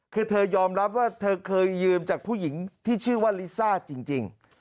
คือเธอยอมรับว่าเธอเคยยืมจากผู้หญิงที่ชื่อว่าลิซ่าจริง